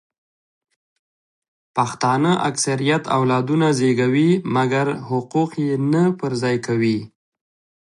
پښتانه اکثریت اولادونه زیږوي مګر حقوق یې نه پر ځای کوي